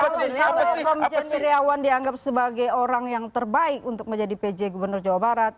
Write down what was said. kalau komjen iryawan dianggap sebagai orang yang terbaik untuk menjadi pj gubernur jawa barat